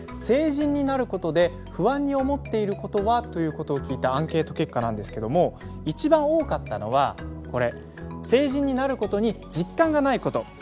「成人になることで不安に思っていることは？」ということを聞いたアンケート結果なんですけども一番多かったのはこれ「成人になることに実感がないこと」。